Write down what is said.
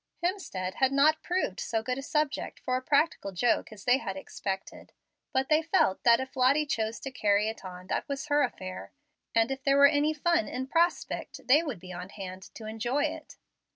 Hemstead had not proved so good a subject for a practical joke as they had expected. But they felt that if Lottie chose to carry it on, that was her affair, and if there were any fun in prospect, they would be on hand to enjoy it.